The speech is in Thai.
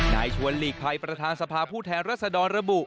นายชวนหลีกภัยประธานสภาผู้แทนรัศดรระบุ